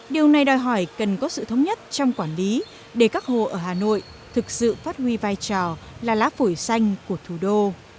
điều này đòi hỏi cần có sự thống nhất trong quản lý để các hồ ở hà nội thực sự phát huy vai trò là lá phổi xanh của thủ đô